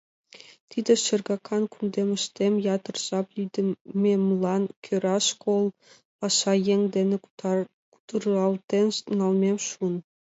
Тиде шергакан кундемыштем ятыр жап лийдымемлан кӧра школ пашаеҥ дене кутыралтен налмем шуын.